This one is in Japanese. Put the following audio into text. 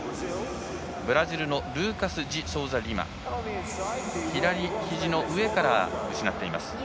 ブラジルのルーカス・ジソウザリマ左ひじの上からを失っています。